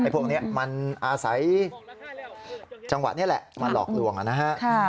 พวกนี้มันอาศัยจังหวะนี้แหละมาหลอกลวงนะฮะ